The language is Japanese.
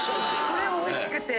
これおいしくて。